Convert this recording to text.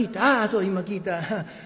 ああそう今聞いた。